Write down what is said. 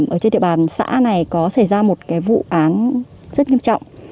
ở trên địa bàn xã này có xảy ra một cái vụ án rất nghiêm trọng